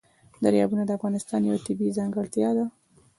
دریابونه د افغانستان یوه طبیعي ځانګړتیا ده.